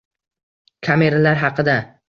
Kameralar haqida